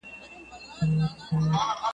پور پر غاړه، مېږ مرداره.